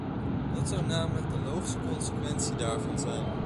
Dat zou namelijk de logische consequentie daarvan zijn.